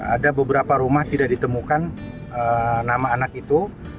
ada beberapa rumah tidak ditemukan nama anak itu